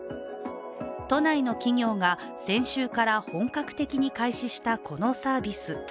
都内の企業が先週から本格的に開始したこのサービス。